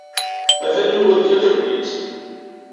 Atan Yuba deg yir tegnit.